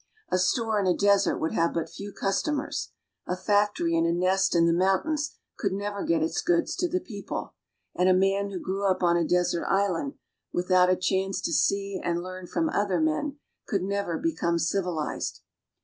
A store in a desert would have but few customers, a factory in a nest in the mountains could never get its goods to the people, and a man who grew up on a desert island, without a chance to see and learn from other men, could never become civilized.